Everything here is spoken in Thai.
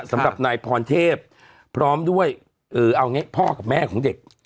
สำหรับนายพรเทพพร้อมด้วยเอางี้พ่อกับแม่ของเด็ก